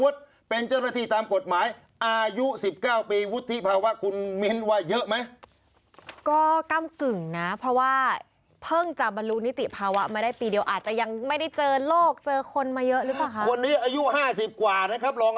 สัก๓เดือนได้ไหมคะ